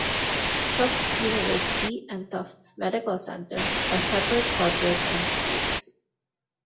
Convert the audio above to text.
Tufts University and Tufts Medical Center are separate corporate entities.